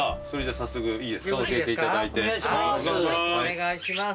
お願いします。